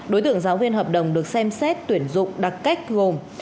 đối tượng giáo viên hợp đồng được xem xét tuyển dụng đặc cách gồm